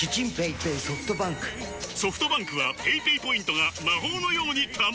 ソフトバンクはペイペイポイントが魔法のように貯まる！